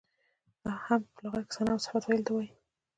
حمد په لغت کې ثنا او صفت ویلو ته وایي.